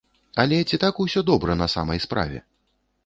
Але ці так усё добра на самай справе?